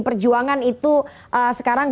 perjuangan itu sekarang